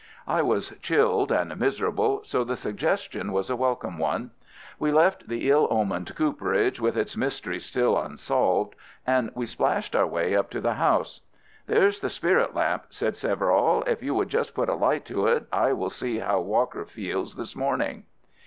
I was chilled and miserable, so the suggestion was a welcome one. We left the ill omened cooperage with its mystery still unsolved, and we splashed our way up to the house. "There's the spirit lamp," said Severall. "If you would just put a light to it, I will see how Walker feels this morning."